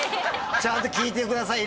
ちゃんと聞いてください